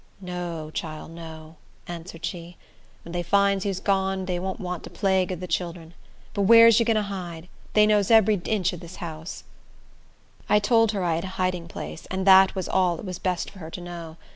"No, chile, no," answered she. "When dey finds you is gone, dey won't want de plague ob de chillern; but where is you going to hide? Dey knows ebery inch ob dis house." I told her I had a hiding place, and that was all it was best for her to know.